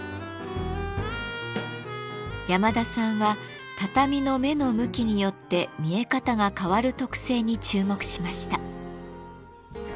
山田さんは畳の目の向きによって見え方が変わる特性に注目しました。